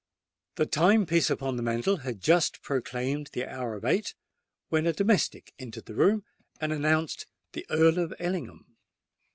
The time piece upon the mantel had just proclaimed the hour of eight, when a domestic entered the room and announced the Earl of Ellingham.